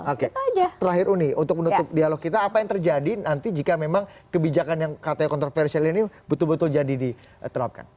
oke terakhir uni untuk menutup dialog kita apa yang terjadi nanti jika memang kebijakan yang katanya kontroversial ini betul betul jadi diterapkan